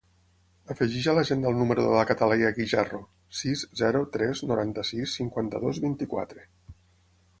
Afegeix a l'agenda el número de la Cataleya Guijarro: sis, zero, tres, noranta-sis, cinquanta-dos, vint-i-quatre.